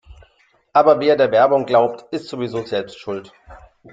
Aber wer der Werbung glaubt, ist sowieso selbst schuld.